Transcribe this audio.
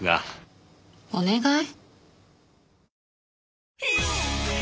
お願い？